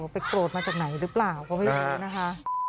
ไปโกรธมาจากไหนหรือเปล่าเพราะว่าอย่างนี้นะคะ